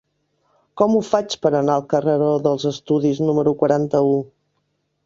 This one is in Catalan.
Com ho faig per anar al carreró dels Estudis número quaranta-u?